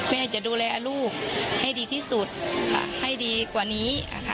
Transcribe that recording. แม่จะดูแลลูกให้ดีที่สุดค่ะให้ดีกว่านี้